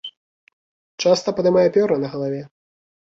Часта падымае пёры на галаве.